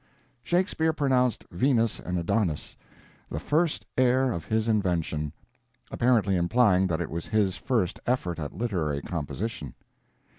Shakespeare pronounced "Venus and Adonis" "the first heir of his invention," apparently implying that it was his first effort at literary composition.